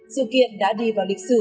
sự kiện đã đi vào lịch sử